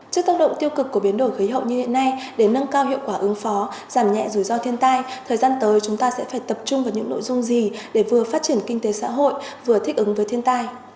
trước tác động tiêu cực của biến đổi khí hậu như hiện nay để nâng cao hiệu quả ứng phó giảm nhẹ rủi ro thiên tai thời gian tới chúng ta sẽ phải tập trung vào những nội dung gì để vừa phát triển kinh tế xã hội vừa thích ứng với thiên tai